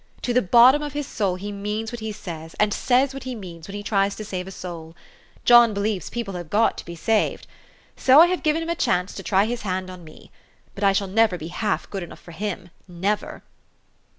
To the bottom of his soul he means what he says, and says what he means, when he tries to save a soul. John believes people have got to be saved. So I have given him a chance to try his hand on me. But I shall never be half good enough for him, never